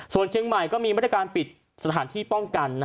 ส่วนเชียงใหม่ก็มีมาตรการปิดสถานที่ป้องกัน